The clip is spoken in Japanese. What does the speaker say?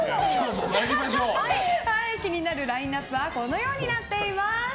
気になるラインアップはこのようになっています。